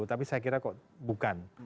tapi saya kira kok bukan